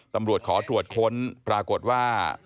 ตำรวจขอตรวจค้นปรากฏว่า